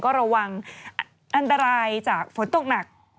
ก็ระวังอันตรายจากฝนตกหนัก